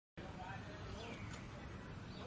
ที่โรศีนั่งเนื้อส่วนสว่างใจ